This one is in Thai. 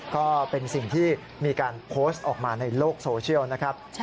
ก็เป็นสิ่งที่มีการโพสต์ออกมาในโลกโซเชียลนะครับ